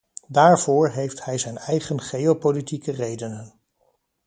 Daarvoor heeft hij zijn eigen geopolitieke redenen.